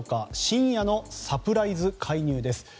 深夜のサプライズ介入です。